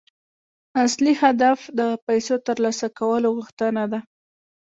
اصلي هدف د پيسو ترلاسه کولو غوښتنه ده.